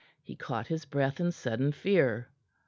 He caught his breath in sudden fear.